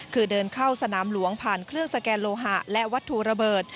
คือเดินเข้าสนามหลวงผ่านเครื่องสแกนโลหะและวัตถุระเบิด